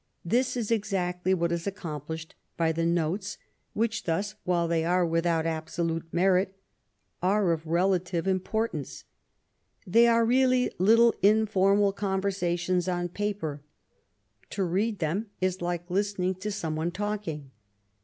This is exactly what is accomplished by the notes, which thus, while thev are without absolute merit, are of relative importance. They are really little informal conversa LIFE WITH GODWIN: MABEIAGE. 18^ tions on paper. To read them is like listening to some one talking.